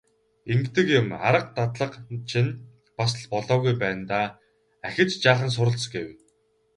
Ингэдэг юм, арга дадлага чинь бас л болоогүй байна даа, ахиад жаахан суралц гэв.